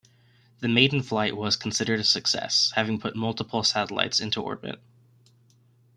The maiden flight was considered a success, having put multiple satellites into orbit.